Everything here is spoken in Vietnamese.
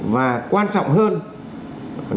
và quan trọng hơn là